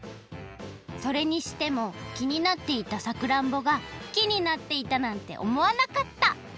それにしてもきになっていたさくらんぼがきになっていたなんておもわなかった！